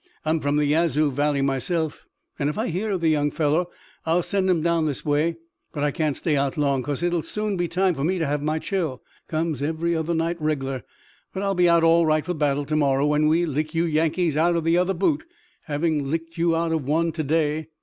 I'm from the Yazoo valley myself, an' if I hear of the young fellow I'll send him down this way. But I can't stay out long, 'cause it'll soon be time for me to have my chill. Comes every other night reg'lar. But I'll be all right for battle to morrow, when we lick you Yankees out of the other boot, having licked you out of one to day."